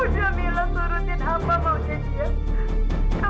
udah milo surutin apa mau jadi